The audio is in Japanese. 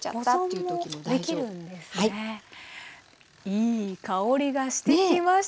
いい香りがしてきました。